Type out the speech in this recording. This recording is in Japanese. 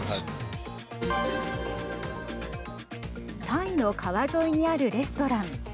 タイの川沿いにあるレストラン。